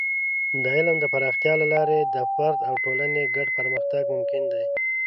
د علم د پراختیا له لارې د فرد او ټولنې ګډ پرمختګ ممکن دی.